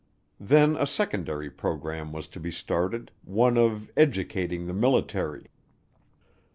Then a secondary program was to be started, one of "educating" the military.